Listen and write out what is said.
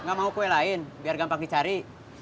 nggak mau kue lain biar gampang dicari